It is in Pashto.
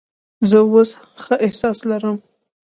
زه اوس ښه احساس لرم.